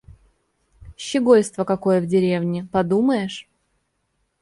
Щегольство какое в деревне, подумаешь!